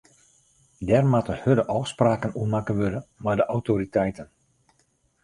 Dêr moatte hurde ôfspraken oer makke wurde mei de autoriteiten.